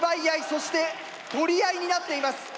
そして取り合いになっています。